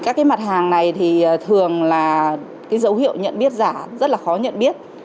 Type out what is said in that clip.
các mặt hàng này thường là dấu hiệu nhận biết giả rất là khó nhận biết